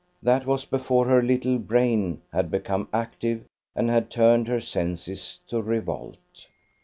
That was before her "little brain" had become active and had turned her senses to revolt.